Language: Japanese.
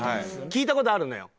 聞いた事あるのよ。